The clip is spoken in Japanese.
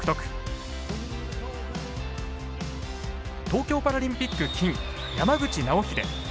東京パラリンピック金山口尚秀。